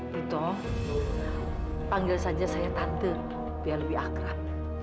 dito panggil saja saya tante biar lebih akrab